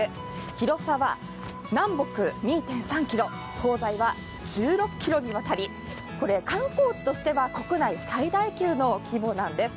広さは南北２．３ｋｍ東西は１６ｋｍにわたり観光地としては国内最大級の規模なんです。